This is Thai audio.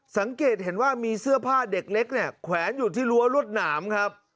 สังเกตเห็นว่ามีเสื้อผ้าเด็กเล็กเนี่ยแขวนอยู่ที่รั้วรวดหนามครับ